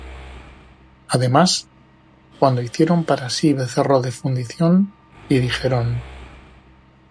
Además, cuando hicieron para sí becerro de fundición, y dijeron: